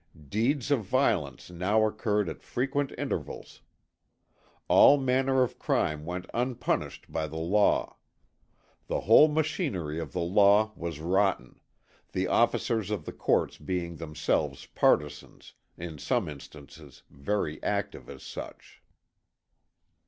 Deeds of violence now occurred at frequent intervals. All manner of crime went unpunished by the law. The whole machinery of the law was rotten, the officers of the courts being themselves partisans, in some instances very active as such.